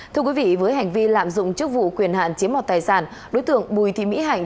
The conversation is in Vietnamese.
thưa quý vị với hành vi lạm dụng chức vụ quyền hạn chiếm mọt tài sản đối tượng bùi thị mỹ hạnh